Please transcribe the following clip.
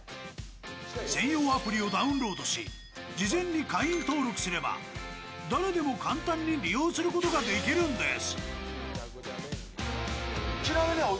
専用アプリをダウンロードし事前に会員登録すれば誰でも簡単に利用することができるんです。